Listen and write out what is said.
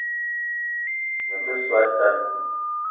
Me te so a tan